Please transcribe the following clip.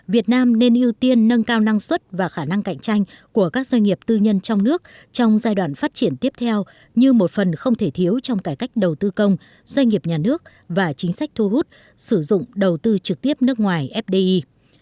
việt nam nên ưu tiên nâng cao năng suất và khả năng cạnh tranh của các doanh nghiệp tư nhân trong nước trong giai đoạn phát triển tiếp theo như một phần không thể thiếu trong cải cách đầu tư công doanh nghiệp nhà nước và chính sách thu hút sử dụng đầu tư trực tiếp nước ngoài fdi